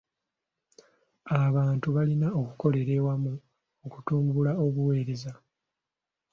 Abantu balina okukolera awamu okutumbula obuweereza.